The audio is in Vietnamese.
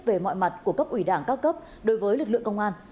về mọi mặt của cấp ủy đảng các cấp đối với lực lượng công an